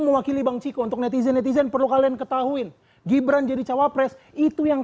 mewakili bang ciko untuk netizen netizen perlu kalian ketahuin gibran jadi cawapres itu yang